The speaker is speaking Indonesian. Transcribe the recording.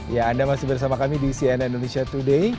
ya anda masih bersama kami di cnn indonesia today